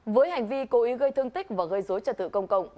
với hành vi cố ý gây thương tích và gây dối trật tự công cộng